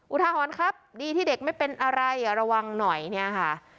อุทาหรณ์ครับดีที่เด็กไม่เป็นอะไรระวังหน่อยเนี่ยค่ะ